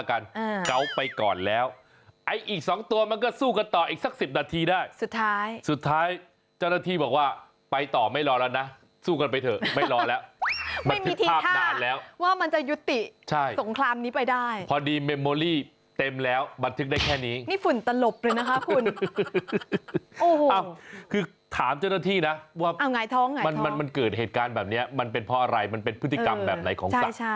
อ้าวคือถามเจ้าหน้าที่นะว่ามันเกิดเหตุการณแบบนี้มันเป็นเพราะอะไรมันเป็นพฤติกรรมแบบไหนของสัตว์